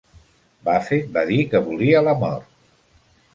Buffet va dir que volia la mort.